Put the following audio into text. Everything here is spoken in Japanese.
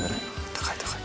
高い高い。